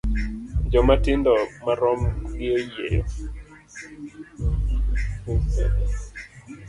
Joma tindo marom gi oyieyo.